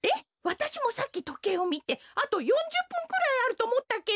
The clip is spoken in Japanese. わたしもさっきとけいをみてあと４０ぷんくらいあるとおもったけど。